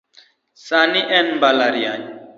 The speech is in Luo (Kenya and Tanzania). Sani en mbalariany.